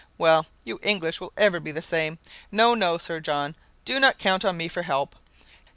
"Well, you English will ever be the same. No, no, Sir John, do not count on me for help.